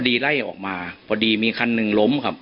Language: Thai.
ปรดีไล่ออกมาปรดีมีคันหนึ่งล้มค่ะ